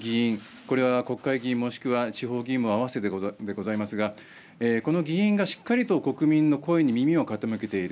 これは国会議員もしくは地方議員もあわせてでございますがこの議員が、しっかりと国民の声に耳を傾けている。